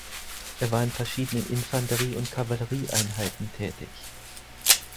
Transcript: Er war in verschiedenen Infanterie- und Kavallerieeinheiten tätig.